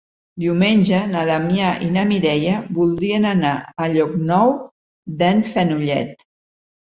Diumenge na Damià i na Mireia voldrien anar a Llocnou d'en Fenollet.